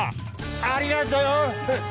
ありがとよ！